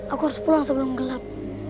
aku harus pulang sebelum gelap